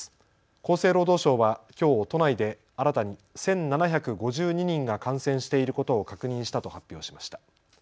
厚生労働省はきょう都内で新たに１７５２人が感染していることを確認したと発表しました。